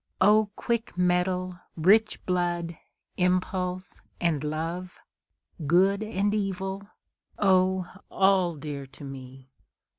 O quick mettle, rich blood, impulse, and love! Good and evil! O all dear to me!